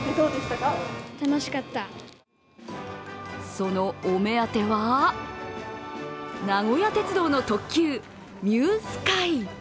そのお目当ては、名古屋鉄道の特急、「ミュースカイ」。